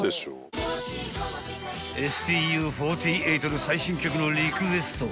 ［ＳＴＵ４８の最新曲のリクエスト］